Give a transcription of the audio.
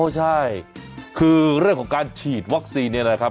ใช่คือเรื่องของการฉีดวัคซีนเนี่ยนะครับ